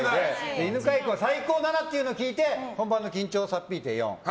犬飼君は最高が７というのを聞いて本番の緊張を差っ引いて４。